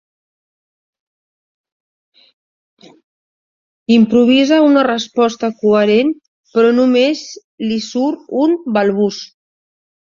Improvisa una resposta coherent però només li surt un balbuç.